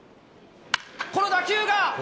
この打球が！